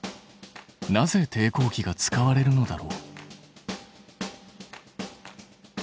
なぜ抵抗器が使われるのだろう。